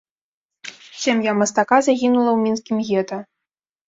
Сям'я мастака загінула ў мінскім гета.